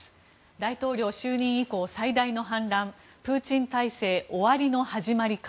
大統領就任以降、最大の反乱プーチン体制終わりの始まりか。